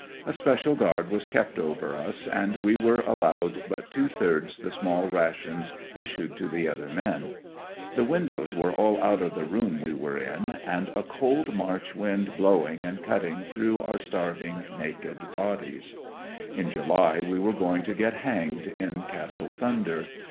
A special guard was kept over us, and we were allowed but two thirds the small ra tions issued to the other men. The windows were all out of the room we were in, and a cold March wind blowing and cutting through our starving, naked bodies. x 5t In j^^iy ^^ were going to get hanged in Castle Thunder.